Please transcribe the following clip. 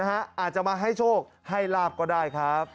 อาจจะมาให้โชคให้ลาบก็ได้ครับ